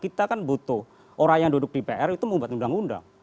kita kan butuh orang yang duduk di pr itu membuat undang undang